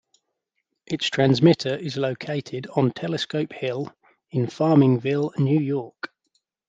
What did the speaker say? Its transmitter is located on Telescope Hill in Farmingville, New York.